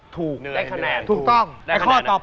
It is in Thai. ถูกได้คะแนนถูกต้องได้คะแนนถูกต้อง